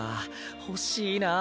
欲しいなぁ。